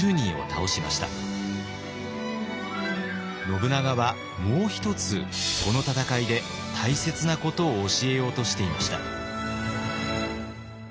信長はもう一つこの戦いで大切なことを教えようとしていました。